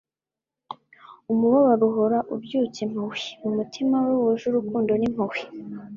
Umubabaro uhora ubyutsa impuhwe, mu mutima we wuje urukundo n'impuhwe.